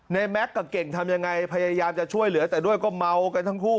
แม็กซ์กับเก่งทำยังไงพยายามจะช่วยเหลือแต่ด้วยก็เมากันทั้งคู่